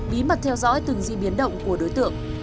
bí mật theo dõi từng di biến động của đối tượng